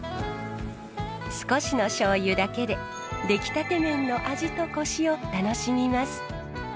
少しのしょうゆだけで出来たて麺の味とコシを楽しみます。